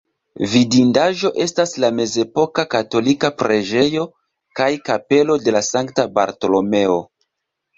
Vidindaĵo estas la mezepoka katolika preĝejo kaj kapelo de Sankta Bartolomeo.